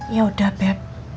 ya udah beb